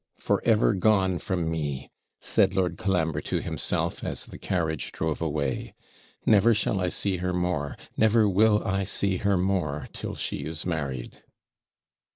for ever gone from me!' said Lord Colambre to himself, as the carriage drove away. 'Never shall I see her more never WILL I see her more, till she is married.'